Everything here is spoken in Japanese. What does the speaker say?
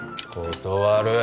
断る！